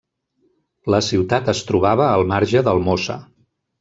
La ciutat es trobava al marge del Mosa.